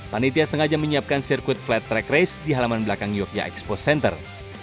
panitia sengaja menyiapkan sirkuit flat track race di halaman belakang yogyakarta expo center